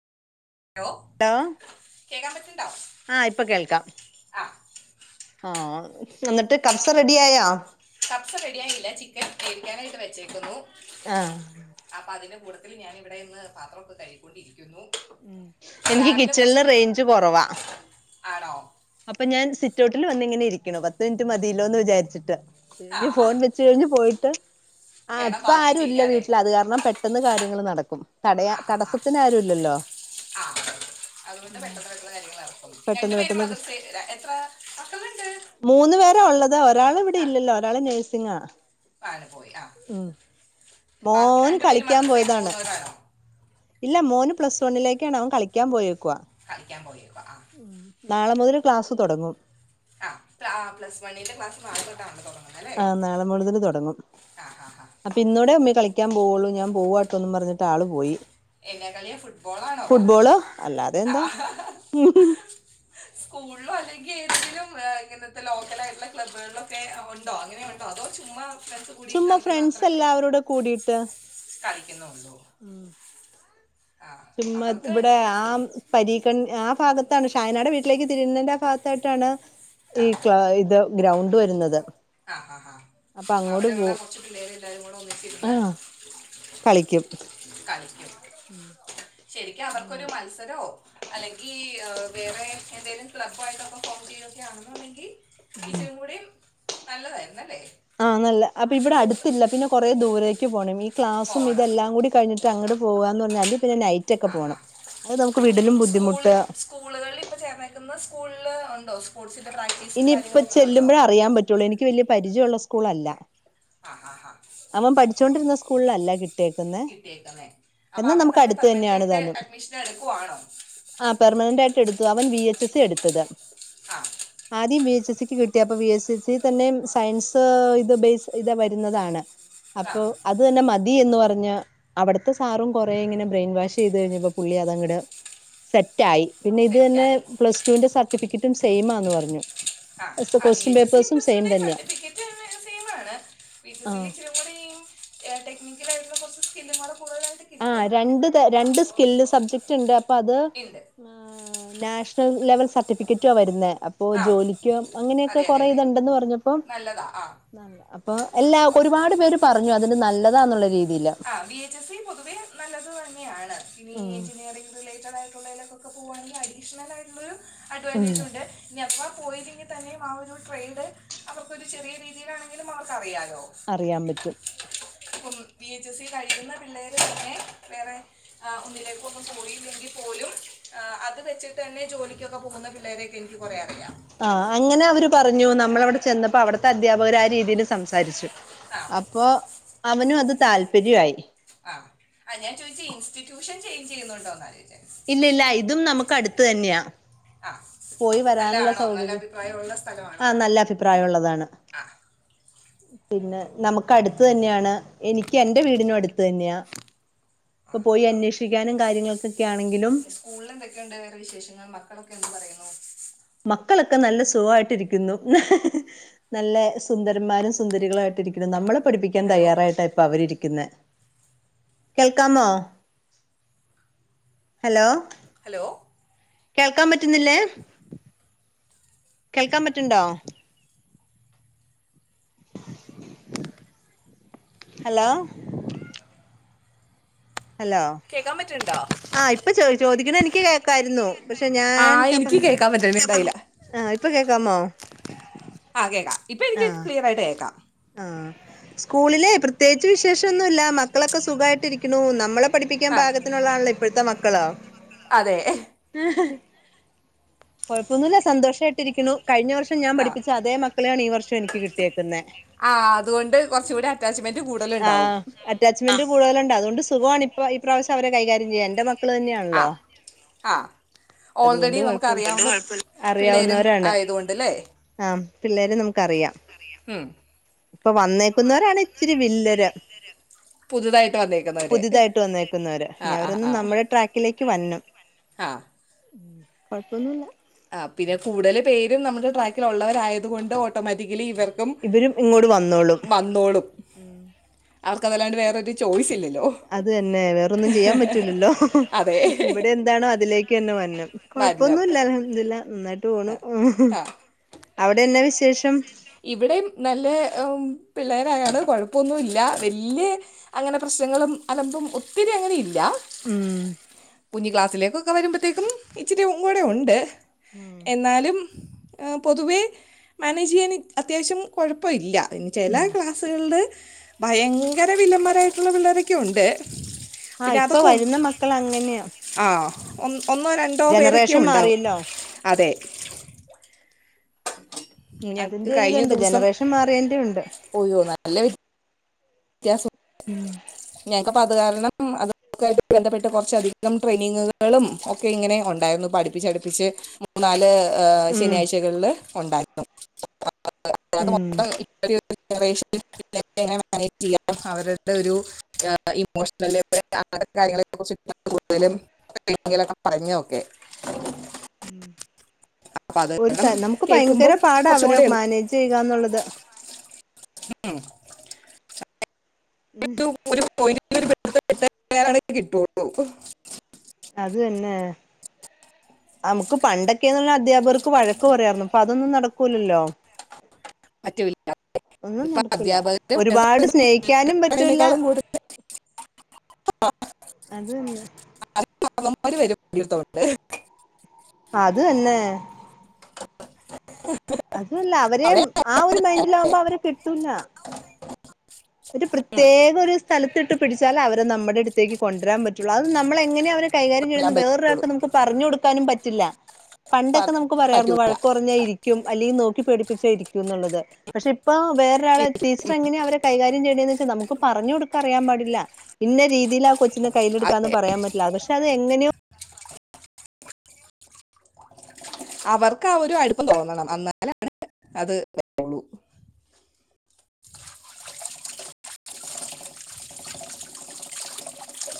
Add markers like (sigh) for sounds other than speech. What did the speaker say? Hello ലോ കേക്കാ പറ്റ്ണ്ടോ ആഹ് ഇപ്പ കേൾക്കാം ആഹ് എന്നിട്ട് കബ്സ റെഡിയായോ കബ്സ റെഡിയായില്ല ചിക്കൻ വേവിക്കാനായിട്ട് വെച്ചേക്കുന്നു ആഹ് അപ്പ അതിന്റെ കൂടത്തില് ഞാന് ഇവടെ നിന്ന് പാത്രൊക്കെ കഴുകിക്കൊണ്ടിരിക്ക്യുന്നു ഉം എനിക്ക് കിച്ചണ്ല് റെയ്ഞ്ച് കൊറവാ ആണോ അപ്പ ഞാൻ സിറ്റൗട്ട്ല് വന്ന്ങ്ങനെ ഇരിക്ക്യിണു പത്ത് മിനിറ്റ് മതില്ലോന്ന് വിചാരിച്ചിട്ട് ഏഹ് ആ ഇഞ്ഞ് ആ, ഫോൺ വെ ച്ച് കഴിഞ്ഞ് പോയിട്ട് ആഹ് വേണം ബാക്കി ഇപ്പാരുല്ല വീട്ട്ല് ചെയ്യാനായിട്ട് അത് കാരണം പെട്ടെന്ന് കാര്യങ്ങള് നടക്കും തടയാ തടസ്സത്തിന് ആരും ഇല്ലല്ലോ ആഹ് അതുകൊണ്ട് ഉം പെട്ടെന്ന് (unintelligible) കാര്യങ്ങള് നടക്കും രണ്ടു പെട്ടെന്ന് പേരും പെട്ടെന്ന് മദ്രസയിൽ എത്ര മക്കളിണ്ട് മൂന്ന് പേരാ ഉള്ളത് ഒരാള് ഇവിടെ ഇല്ലല്ലോ ഒരാള് നേഴ്സിങ്ങാ ഒരാള് പോയി ആഹ് ബാക്കി മോന് രണ്ടു പേര് മദ്രസയിൽ പോകുന്നവരാണോ ഇല്ലാ മോന് പ്ലസ് വണ്ണിലേക്കാണ് അവൻ കളിക്കാൻ പോയേക്കുവാ കളിക്കാൻ പോയേക്കോ ആഹ് നാളെ മുതല് ക്ലാസ്സ്‌ തുടങ്ങും ആഹ് പ്ല ആഹ് പ്ലസ് വണ്ണിൻ്റെ ക്ലാസ് നാളെത്തൊട്ടാണല്ലൊ തൊട ആഹ് നാളെ മുഴുതന് തുടങ്ങും ആ ആ ആ അപ്പൊ ഇന്നൂടെ ഉമ്മീ കളിക്കാൻ പോവുള്ളൂ ഞാൻ പോവാട്ടോന്നും പറഞ്ഞിട്ട് ആള് പോയി എന്നാ കളിയാ ഫുട്ബോളാണോ ഫുട്ബോള് അല്ലാതെ എന്താ സ്കൂളിലോ അല്ലെങ്കി ഏതങ്കിലും ഇങ്ങനത്തെ ലോക്കല ആയിട്ടുള്ള ക്ലബ്ബുകളിലൊക്കെ ഉണ്ടോ അങ്ങനെ അതോ ചുമ്മാ ഫ്ര ചുമ്മാ ഫ്രണ്ട്സ് എല്ലാവരോടെ കൂടിയിട്ട് കളിക്കുന്നുള്ളോ ചുമ്മാത് ഇവിടെ ആം പരീക്കൺ ആ ഭാഗത്താണ് ഷാഹിനാടെ വീട്ടിലേക്ക് തിരുന്നേന്റെ ആ ഭാഗത്തായിട്ടാണ് ആ ഈ ക്ലാ ഇത് ഗ്രൗണ്ട് വരുന്നത് അ ഹ ഹ അപ്പൊ അങ്ങോട്ട് അവിടെ ഉള്ള പോവും കൊർച്ച് പിള്ളേര് എല്ലാരും കൂടെ ആ ഒന്നിച്ചിന്ന് കളിക്കും കളിക്കും ശരിക്കും അവർക്കൊരു മത്സരോ അല്ലെങ്കി വേറെ എന്തെങ്കിലും സ്ലബ്ബാ യിട്ടൊക്കെ ഫോം ചെയ്തൊക്കെ ആണെന്നോണ്ടെങ്കിൽ ച്ചും കൂടിം നല്ലതായിരൂന്നല്ലേ ആഹ് നല്ല ഇപ്പൊ ഇവിടെ അടുത്തില്ല പിന്നെ കൊറെ ദൂരേക്ക് പോണം ക്ലാസ്സും പോകണം ഇതെല്ലാം കൂടി കഴിഞ്ഞിട്ട് അങ്ങട്ട് പോവാന്ന് പറഞ്ഞാല് അല്ലേ പിന്നെ നൈറ്റ് ഒക്കെ ആ ഹാ പോകണം അത് നമുക്ക് വിടിനും സ്കൂള് ബുദ്ധിമുട്ടാ സ്കൂളുകളിൽ ഇപ്പ ചേർന്നേക്കുന്ന സ്കൂളിൽ ഉണ്ടോ സ്പോർട്സിന്റെ പ്രാക്ടീസും കാര്യങ്ങളക്കെ ഉണ്ടോ റ്റൂള്ളൂ എനിക്ക് വല്ല്യ പരിചയമുള്ള സ്കൂളല്ല ആഹാ ഹാ അവൻ പഠിചോണ്ടിരുന്ന സ്കൂളിലല്ല കിട്ടി കിട്ടിയേക്കുന്നേ അപ്പൊ അവിടെ തന്നെ അടുത്ത് പെർമനന്റ് തന്നെയാണ് ആയിട്ട് താനും അഡ്മിഷൻ എടുക്കുവാണോ ആഹ് പെർമനന്റ് ആയിട്ട് എടുത്തു അവൻ ബി എച്ച് എസ് സി എടുത്തത് ആ ആദ്യം ബി എച്ച് എസ് സിക്ക് കി ട്ടിയപ്പോ ബിഎസ് സി സി തന്നെ സയൻസ് ഇത് ബേസ് ഇത് വരുന്നതാണ് ആ അപ്പൊ അത് തന്നെ മതി എന്ന് പറഞ്ഞ അവിട്ത്തെ സാറും കൊറേ ഇങ്ങനെ ബ്രെയിൻ വാഷ് ചെയ്തു കഴിഞ്ഞപ്പോ പുള്ളി അതങ്ങട് സെറ്റായി പിന്നെ ഇത് തന്നെ സെറ്റായി പ്ലസ്ടുവിന്റെ സർട്ടിഫിക്കറ്റും സെയിമാന്ന് പറഞ്ഞു ആ ആ ബി ക്വസ്റ്റ്യൻ എച്ച് സി പേപ്പേഴ്സും സെയിം പ്ലസ്റ്റുവിന്റെ തന്നെയാ സർട്ടിഫിക്കറ്റ് ഒന്ന് സെയിമാണ് ബി എച് സിന്റെ ആഹ് ഇച്ചിരി (unintelligible) ഏ ടെക്നിക്കളായിട്ടുള്ള കൊർച്ച് സ്കില്ലുംകൂടെ കൂടുതലായിട്ട് ആഹ് കിട്ടും രണ്ട് തര രണ്ട് സ്കില്ല് സബ്ജക്ട്ണ്ട് അപ്പൊ അത് ഉണ്ട് ആഹ് നാഷണൽ ലെവൽ സർട്ടിഫിക്കറ്റാ വരുന്നത് ഇപ്പൊ ആ ജോലിക്കോ അങ്ങനെയൊക്കെ അതെ അതെ കൊറേ അതെ ഇതുണ്ടെന്ന് പറഞ്ഞപ്പോ നല്ലതാ ആ അപ്പൊ എല്ലാ ഒരുപാട് പേര് പറഞ്ഞു അതിന്റെ നല്ലതാന്നുള്ള രീതിയില് ബി എച്ച് എസ് സി പൊതുവെ നല്ലത് തന്നെയാണ് പിന്ന ഈ ഉം എഞ്ചിനീയറിംഗ് റിലേറ്റടായിട്ടുള്ളേ എല്ലാം ക്കെ പോകവാണെങ്കി അഡീഷണ (unintelligible) ഉം അഡ്വാന്റെജുണ്ട് ഇനി അത്ര പോയില്ലെങ്കിൽ തന്നെയും ആഹ് ഒരു ട്രേഡ് അവർക്കൊരു ചെറിയ രീതിയിലാണെങ്കിലും അവർക്ക് അറിയാലോ അറിയാൻ പറ്റും അപ്പം ബി എച്ച് എസ് സി കഴിക്കുന്ന പിള്ളേര് തന്നെ വേറെ ആഹ് ഒന്നിലേക്കൊന്നും പോയില്ലെങ്കി പോലും ആ അത് വെച്ചിട്ട് തന്നെ ജോലിക്കൊക്കെ പോകുന്ന പിള്ളേരെ എനിക്ക് കൊറേ അറിയാം ആഹ അങ്ങനെ അവര് പറഞ്ഞു നമ്മള അവിടെ ചെന്നപ്പോ അവിടത്തെ അധ്യാപകർ ആ രീതിയിൽ സംസാരിച്ചു ആ അപ്പൊ അവനും അത് താല്പര്യമായി ആഹ് ആ ഞാൻ ചോദിച്ചി ഇൻസ്റ്റിറ്റ്യൂഷൻ ചേഞ്ച് ചെയ്യുന്നുണ്ടോന്ന് ആലോചാ ഇല്ല ഇല്ല ഇതും നമുക്ക് അടുത്ത് തന്നെയാ ആഹ് പോയി വരാനുള്ള സൗകര്യം ആഹ് സ്ഥലമാണോ നല്ല അഭിപ്രായം ഉള്ളതാണ് ആ പിന്നെ നമുക്ക് അടുത്ത് തന്നെയാണ് എനിക്ക് എൻറെ വീടിനും അടുത്ത് തന്നെയാ ഇപ്പൊ പോയി അന്വേഷിക്കാനും കാര്യങ്ങൾക്കൊക്കെ ആണെങ്കിലും സ്കൂളിൽ എന്തൊക്കെയുണ്ട് വേറെ വിശേഷങ്ങൾ മക്കളൊക്കെ എന്തന്ത് പറയുന്നു മക്കളൊക്കെ നല്ല സുഖായിട്ടിരിക്കുന്നു നല്ല സുന്ദരന്മാരും സുന്ദരികളും ആയിട്ടി ഇരിക്കണം നമ്മളെ പഠിപ്പിക്കാൻ ഹലോ തയ്യാറായിട്ടായി ഇ അവരിരിക്കുന്ന കേൾക്കാമോ ഹലോ ഹലോ കേൾക്കാൻ പറ്റുന്നില്ലേ കേൾക്കാൻ പറ്റണ്ടോ ഹലോ ഹലോ കേൾക്കാൻ പറ്റണ്ടോ? ആഹ് ഇപ്പൊ ചോ ചോദിക്കണ എനിക്ക് കേൾക്കായിരുന്നു പക്ഷെ ഞാൻൊക്കെ പറഞ്ഞ ഉണ്ടായില്ല ആഹ് ഇപ്പൊ കേക്കാമോ ആഹ് കേക്കാം ആഹ് ചെറുതായിട്ട് കേക്കാം ആ സ്കൂളിലെ പ്രത്യേകിച്ച് വിശേഷം മൊന്നുമല്ല മക്കളൊക്കെ സുഖമായിട്ടിരിക്കുന്നു നമ്മളെ പഠിപ്പിക്കാൻ ആ പാഗത്തിനുള്ളതാണല്ലോ ഇപ്പോഴത്തെ മക്കളോ അതെ ആഹ് കൊഴപ്പൊന്നുമില്ല സന്തോഷമായിട്ടിരിക്കുന്നു കഴിഞ്ഞ വർഷം ഞാൻ ആ പഠപ്പിച്ച അതേ മക്കളെയാണ് ഈ വർഷംനിക്ക് കിട്ടിയേക്കുന്നത് ആഹ് അതുകൊണ്ട് കുറച്ച കൂടി അറ്റാച്ച്മെന്റ് കൂടുതൽ ആഹ് അാമെന്റ് കൂടുതലുണ്ട് അതുകൊണ്ട് സുഖമാണ്ണ ഇപ്പ ഈ പ്രാവശ്യം അവരെ കൈകാര്യം ചെയ്യാം എന്റെ മക്ക മക്കൾ ആ തന്നെയാണല്ലോ ആ അതുകൊണ്ട് ഓൾറെഡി നമുക്ക് കൊഴപ്പല്ല അറിയാവുന്ന പിള്ളേരും ആയതുകൊണ്ട്ല്ലേ ആ പിള്ളേര് നമുക്ക്റിയാം ഉം ഇപ്പൊ വന്നേക്കുന്നവരാണ് ഇച്ചിരി വില്ലര് പുതുതായിട്ട് വന്നേക്കുന്നവര് പുതിതായിട്ട് വന്നേക്കുന്നവര് ആ ഇനി ആ അവരൊന്ന് നമ്മുടെ ട്രാക്കിലേക്ക് വന്നണം ആഹ് ഉം കൊഴപ്പുന്നുല്ല ആഹ് പിന്നെ കൂടുതൽ പേരും നമ്മുടെ ട്രാക്കിലള്ളവരായതുക കൊണ്ട് ഓട്ടോമാറ്റിക്കലി ഇവർ ഇവരും ഇങ്ങോട് വന്നോളും വന്നോടും അവർക്കതല്ലാണ്ട് വേറരു ചോയ്സ ഇല്ല അത് തന്നെ വേറൊന്നും ചെയ്യാൻ പറ്റൂലല്ലോ അതെ ഇവിടെ എന്താണോ അതിലേക്ക് തന്നെ വന്നു വരണം കൊഴപ്പൊന്നുമല്ലല്ല ഇതില്ല നന്നായിട്ട് പോണു ആ അവിടെന്നെ വിശേഷം ഇവിടെയും നല്ല പിള്ളേരായാണ് കുഴപ്പമൊന്നുമ ഇല്ല വലിയ അങ്ങനെ പ്രശ്നങ്ങളും അലമ്പും ഒത്തിരി അങ്ങനെ ഇല്ല ഉം കുഞ്ഞഞ് ക്ലാസ്സിലേക്ക് ഒക്കെ വരുമ്പോഴത്തേക്കും ഇച്ചിരി കൂടെ ഉണ്ട് എന്നാലും പൊതുവേ മാനേജ് ചെയ്യാൻ അത്യാവശ്യം കുഴപ്പമില്ല ഇനി ചില ക്ലാസ്സുകളുടെ ഭയങ്കര വിലമാരായിട്ടുള്ള പിള്ളേരൊക്കെ ഉണ്ട് ആഹ് ഇപ്പൊ വരുന്ന മക്കൾ അങ്ങനെയാ ആഹ് ഒ ഒന്നോ രണ്ടോ പേരൊക്കെയോ ജനറേഷൻ ഉണ്ടാവും മാറിയല്ലോ അതെ ഞങ്ങൾക്ക് അതിന്റെ ഒരു ഇതുണ്ട് ജനറേഷൻ മാറിയന്റെ ഉണ്ട് ഒയോ നല്ല വെ (unintelligible) വ്യത്യാസം ഉം ഞങ്ങക്കിപ്പ അത് കാരണം അതൊക്കായിട്ട് ബന്ധപ്പെട്ട് കുറച്ചധികം ട്രെയിനിങ്ങുകളും ക്കെ ഇങ്ങനെ ഉണ്ടായിരുന്നു. ഇപ്പം അടുപ്പിച്ച് അടുപ്പിച്ച് മൂന്നാല് ഉം ശനിയാഴ്ചകളില് ഉണ്ടായിരുന്നു അത് ഉം (inaudible) എങ്ങനെ മാനേജ് ചെയ്യാം. അവരുടെ ഒരു (inaudible) അങ്ങനെത്തെ കാര്യങ്ങൾ (unintelligible) കൂടുതലും (inaudible) പറഞ്ഞോക്കെ ഉം ഒരു ത നമുക്ക് ഭയങ്കര കേൾക്കുമ്പം പാടാ കുറച്ചും അവരെ കൂടെ എളുപ്പം മാനേജ് ചെയ്യുകാന്നുള്ളത് ഉം (unintelligible) അത് തന്നെ നമുക്ക് പണ്ടൊക്കെന്ന് പറഞ്ഞ അധ്യാപകർക്ക് വഴക്ക് പറയാരുന്നു ഇപ്പൊ അതൊന്നും നടക്കൂലല്ലോ മറ്റുമില്ല ഒന്നും ഇപ്പൊ നടക്കൂല്ല അധ്യാപകര് ഒരുപാട് സ്നേഹിക്കാനും പറ്റൂല്ല പറയുന്നതിനേക്കാളും കൂടുതൽ അത് (unintelligible) അത് തന്നെ (unintelligible) അതുല്ല അവരെ അവിടെ ആഹ് ഒരു മൈൻഡിലാമ്പോ അവരെ കിട്ടൂല്ല ഒരു പ്രത്യേക ഒരു സ്ഥലത്തി ഇട്ട് പിടിച്ചാലെ അവരെ നമ്മുടെ അടുത്തേക്ക് കൊണ്ടുവരാൻ പറ്റുള്ളൂ അത് നമ്മള് എങ്ങനെ അവരെ കൈകാര്യം വരാൻ ചെയ്യുന്നത് എന്ന് പറ്റുള്ളൂ വേറൊരാൾക്ക് നമുക്ക് പറഞ്ഞു കൊടുക്കാനും പറ്റില്ല പണ്ടൊക്കെ പ- നമുക്ക് പറയാമായിരുന്നു പറ്റൂല വഴക്ക് പറഞ്ഞാ ഇരിക്കും ക്കും അല്ലെങ്കി നോക്കി പേടിപ്പിച്ച ഇരിക്കും എന്നുള്ളത് പക്ഷെ ഇപ്പൊ ഈ വേറൊരാളെ ടീച്ചർ എങ്ങനെയാ അവരെ കൈകാര്യം ചെയ്യണ്ടേന്ന് വെച്ചാൽ നമുക്ക് പറഞ്ഞ് കൊടുക്കാൻ അറിയാൻ പാടില്ല ഇന്ന രീതിയിലാ കൊച്ചിനെ അ- കയ്യിലെടുക്കാന്ന് പറയാൻ പറ്റില്ല പക്ഷെ അത് എങ്ങനെയോ അവർക്ക് ആഹ് ഒരു അടുപ്പം തോന്നണം എന്നാലാണ് അത് (unintelligible) ള്ളൂ